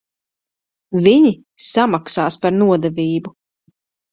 Viņi samaksās par nodevību.